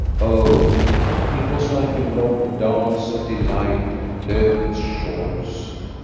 Oh, it was like a long dance of delight on Lofven's shores.